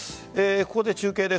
ここで中継です。